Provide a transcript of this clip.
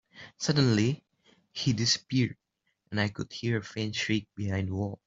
Suddenly, he disappeared, and I could hear a faint shriek behind the walls.